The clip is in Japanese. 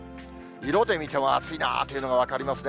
色で見ても暑いなーというのが分かりますね。